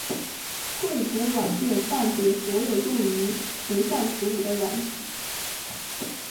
绘图软件泛指所有用于图像处理的软体。